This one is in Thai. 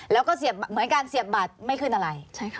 แล้วก็เสียบเหมือนการเสียบบัตรไม่ขึ้นอะไร